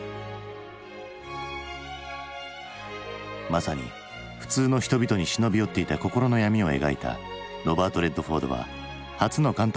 まさに普通の人々に忍び寄っていた心の闇を描いたロバート・レッドフォードは初の監督作品でアカデミー作品賞と監督賞に輝く。